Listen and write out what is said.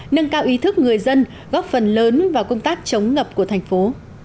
nâng cao ý thức người dân góp phần lớn vào công tác chống ngập của thành phố